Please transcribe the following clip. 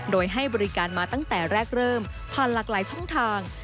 โดยให้บริการมาตั้งแต่แรกเริ่มผ่านหลากหลายช่องทาง